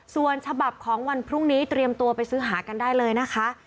ส่วนฉบับของวันพรุ่งนี้เตรียมตัวไปซื้อหากันได้เลยนะคะ